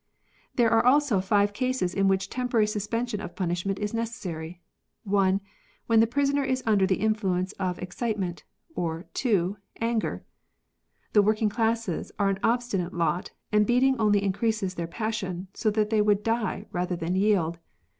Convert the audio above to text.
" There are also five cases in which temporary suspension of pun ishment is necessary. (1.) When the prisoner is under the influ ence of excitement, or (2.) anger. [The working classes are an obstinate lot and beating only increases their passion, so that they would die rather than yield.